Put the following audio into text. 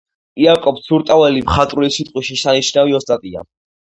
იაკობ ცურტაველი მხატვრული სიტყვის შესანიშნავი ოსტატია.